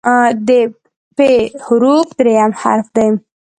د "پ" حرف دریم حرف دی.